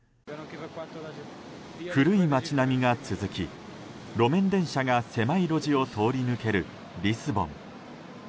古い街並みが続き、路面電車が狭い路地を通り抜けるリスボン。